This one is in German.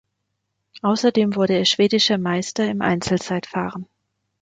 Außerdem wurde er schwedischer Meister im Einzelzeitfahren.